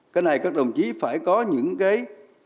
cái này các đồng chí phải có những cái